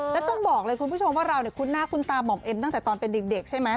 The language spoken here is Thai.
แล้วต้องบอกเลยคุณผู้ชมว่าเราคุ้นหน้าคุ้นตาม่อมเอ็มตั้งแต่ตอนเป็นเด็กใช่ไหม